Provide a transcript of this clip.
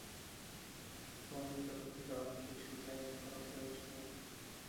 মহেন্দ্র কহিল, আমার কিছুই চাই না–কোনো প্রয়োজন নাই।